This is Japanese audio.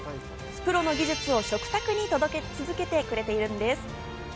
プロの技術を食卓へ届け続けてくれているのです。